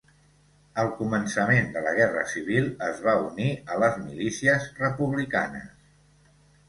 Al començament de la Guerra civil es va unir a les milícies republicanes.